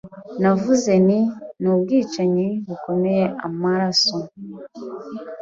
Navuze nti Nubwicanyi bukomeye amaraso